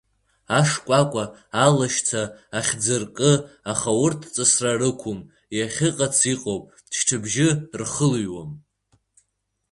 Ашкәакәа, алашьца, ахьӡыркы, аха урҭ ҵысра рықәым, иахьыҟац иҟоуп, шьҭыбжьы рхылҩуам.